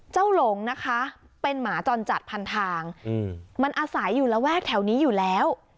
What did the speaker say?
หลงนะคะเป็นหมาจรจัดพันทางมันอาศัยอยู่ระแวกแถวนี้อยู่แล้ว